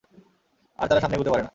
তারা আর সামনে এগুতে পারে না।